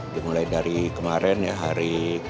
dimulai dari kemarin ya hari